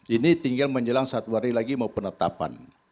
ini tinggal menjelang satu hari lagi mau penetapan